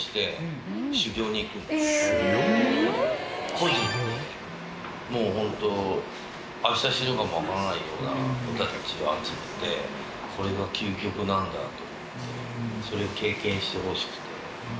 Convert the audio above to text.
個人でもうホントあした死ぬかも分からないような子たちを集めてこれが究極なんだと思ってそれ経験してほしくて。